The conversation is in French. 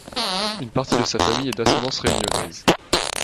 Une partie de sa famille est d'ascendance réunionnaise.